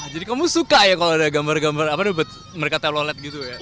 jadi kamu suka ya kalau ada gambar gambar mereka telolet gitu ya